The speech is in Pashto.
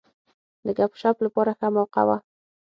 د ګپ شپ لپاره ښه موقع وه.